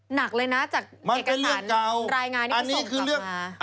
หนักเลยนะจากเอกสารรายงานนี้มันส่งกลับมา